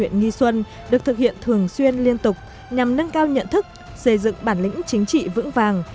nhưng cũng thường xuyên liên tục nhằm nâng cao nhận thức xây dựng bản lĩnh chính trị vững vàng